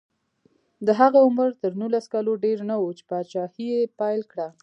د هغه عمر تر نولس کلونو ډېر نه و چې پاچاهي یې پیل کړه.